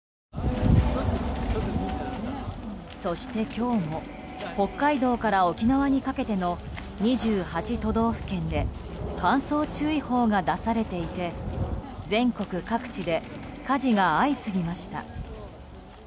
そして今日も北海道から沖縄にかけての２８都道府県で乾燥注意報が出されていて全国各地で火事が相次ぎました。